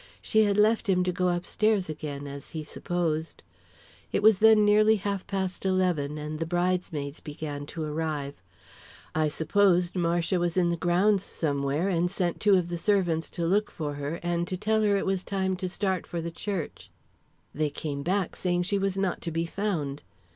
She had left him, to go upstairs again, as he supposed. It was then nearly half past eleven, and the bridesmaids began to arrive. I supposed Marcia was in the grounds somewhere, and sent two of the servants to look for her and to tell her it was time to start for the church. They came back saying she was not to be found.